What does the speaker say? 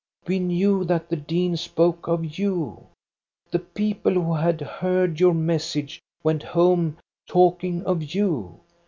We knew that the dean spoke of you. The people who had heard your message went home talking of you.